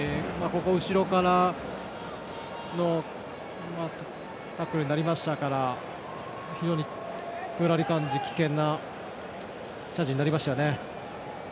後ろからのタックルになりましたから非常にプーラリガンジは危険なチャージになりましたね。